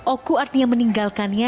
oku artinya meninggalkannya